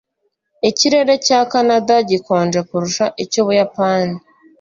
Ikirere cya Kanada gikonje kurusha icyUbuyapani